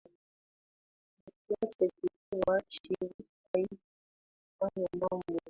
kwa kiasi kikubwa Shirika hili lilifanya mambo